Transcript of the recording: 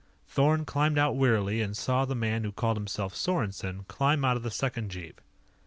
Thorn climbed out wearily and saw the man who called himself Sorensen climb out of the second jeep.